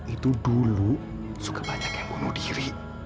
itu dulu suka banyak yang bunuh diri